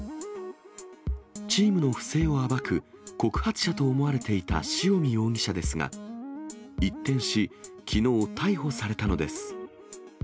チームの不正を暴く告発者と思われていた塩見容疑者ですが、一転し、きのう逮捕されたのです。